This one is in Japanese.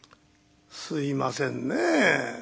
「すいませんねえ」。